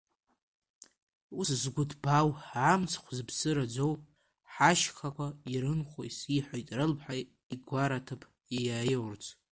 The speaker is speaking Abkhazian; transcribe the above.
Ус згәы ҭбаау, амцхә зыԥсы раӡоу, ҳашьхақәа ирынхәу сиҳәоит рылԥха игараҭыԥ иаиурц.